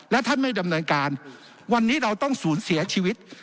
และท่านไม่ดำเนินการวันนี้เราต้องสูญเสียชีวิต